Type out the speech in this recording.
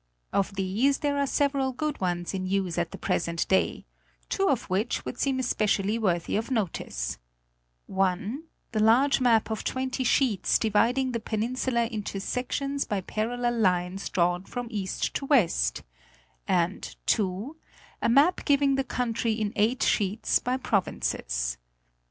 Of these there are several good ones in use at the present day, two of which would seem especially worthy of notice: (1) the large map of twenty sheets dividing the peninsula into sections by parallel lines drawn from east to west, and (2) a map giving the country in eight sheets, by provinces.